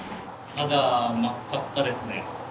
肌真っ赤っかですね。